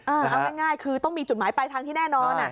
คือเอาง่ายคือต้องมีจุดหมายปลายทางที่แน่นอน